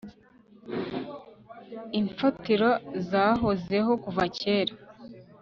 imfatiro zahozeho kuva kera